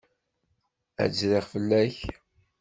Ad d-zriɣ fell-ak.